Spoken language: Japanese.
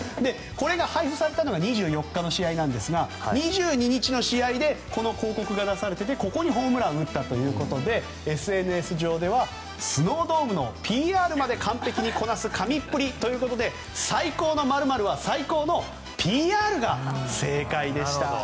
これが配布されたのが２４日の試合ですが２２日の試合でこの広告が出されていてここにホームランを打ったということでＳＮＳ上ではスノードームのＰＲまで完璧にこなす神っぷりということで最高の○○は、最高のＰＲが正解でした。